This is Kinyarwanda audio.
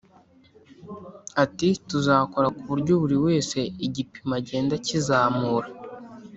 Ati “Tuzakora ku buryo buri wese igipimo agenda akizamura